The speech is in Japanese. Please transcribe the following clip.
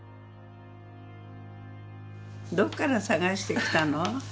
どっから探してきたの？